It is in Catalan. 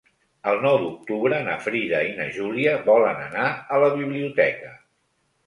El nou d'octubre na Frida i na Júlia volen anar a la biblioteca.